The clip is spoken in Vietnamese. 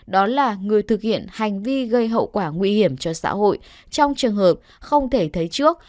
đó là người thực hiện hành vi gây hậu quả nguy hiểm cho xã hội trong trường hợp không thể thấy trước